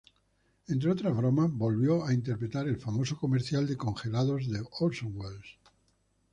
Entre otras bromas, volvió a interpretar el famoso comercial de congelados de Orson Welles.